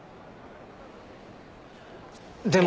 でも。